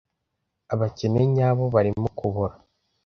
abakene nyabo barimo kubora